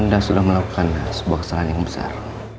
anda sudah melakukan sebuah kesalahan yang besar